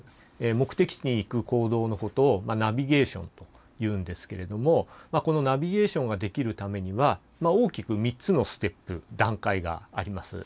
目的地に行く行動のことをナビゲーションというんですけれどもこのナビゲーションができるためには大きく３つのステップ段階があります。